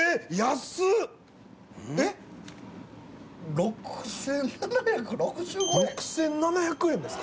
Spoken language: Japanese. ６７６５円６７００円ですか？